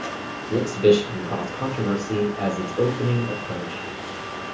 The Exhibition caused controversy as its opening approached.